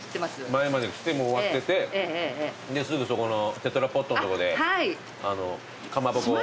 前まで来てもう終わっててですぐそこのテトラポッドのとこであのうかまぼこを。